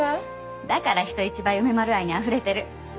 だから人一倍梅丸愛にあふれてる。